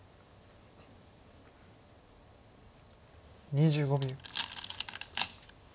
２５秒。